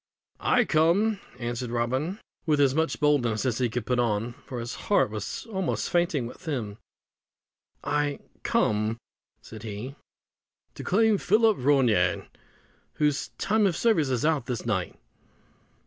"I come," answered Robin, with as much boldness as he could put on, for his heart was almost fainting within him; "I come," said he, "to claim Philip Ronayne, whose time of service is out this night."